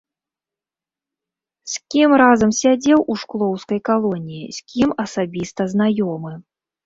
З кім разам сядзеў у шклоўскай калоніі, з кім асабіста знаёмы.